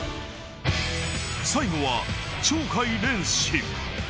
最後は鳥海連志。